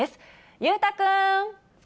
裕太君。